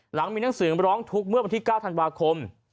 หลังมีหนังสือร้องทุกข์เมื่อวันที่๙ธันวาคม